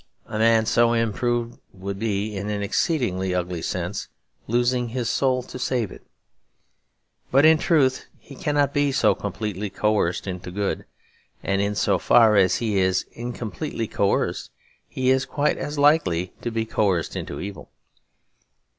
A man so improved would be, in an exceedingly ugly sense, losing his soul to save it. But in truth he cannot be so completely coerced into good; and in so far as he is incompletely coerced, he is quite as likely to be coerced into evil.